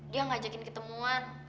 dia ngajakin ketemuan